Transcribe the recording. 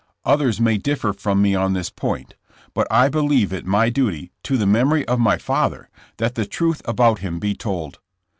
Others may differ from me on this point, but I believe it my duty to the memory of my father that the truth about him be told.